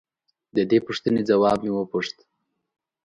د دې پوښتنې ځواب مې وپوښت.